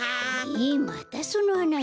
えまたそのはなし？